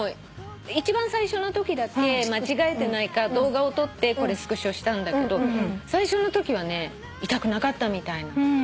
一番最初のときだけ間違えてないか動画を撮ってこれスクショしたんだけど最初のときはね痛くなかったみたいなの。